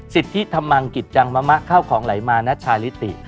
สิทธิธรรมังกิจจังมะมะข้าวของไหลมาณชาลิติ